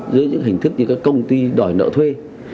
dưới những hình thức như các công ty đòi nợ thuê